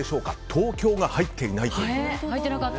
東京が入っていないという。